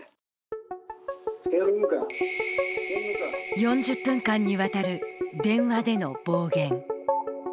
４０分間にわたる電話での暴言。